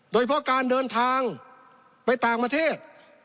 โดยเพราะการเดินทางไปต่างประเทศ